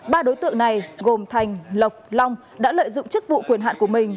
ba đối tượng này gồm thành lộc long đã lợi dụng chức vụ quyền hạn của mình